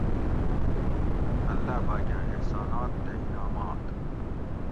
اللّہ پاکاۤں احسانات تے انعامات: